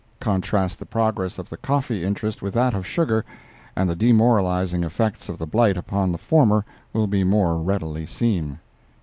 Contrast the progress of the coffee interest with that of sugar, and the demoralizing effects of the blight upon the former will be more readily seen.